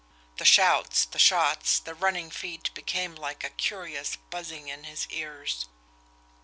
The shouts, the shots, the running feet became like a curious buzzing in his ears.